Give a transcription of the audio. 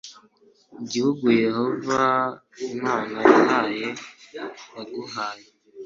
igihugu yehova imana yawe yaguhaye